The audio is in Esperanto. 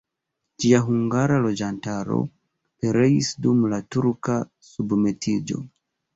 Ĝia hungara loĝantaro pereis dum la turka submetiĝo.